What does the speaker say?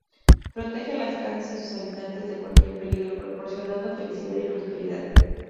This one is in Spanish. Protege las casas y a sus habitantes de cualquier peligro, proporcionando felicidad y prosperidad.